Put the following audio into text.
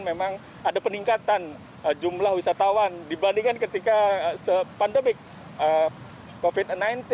memang ada peningkatan jumlah wisatawan dibandingkan ketika pandemik covid sembilan belas